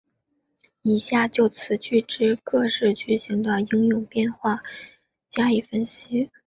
以下就此句之各式句型的应用变化加以分析。